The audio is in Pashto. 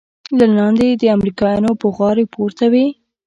له لاندې د امريکايانو بوغارې پورته وې.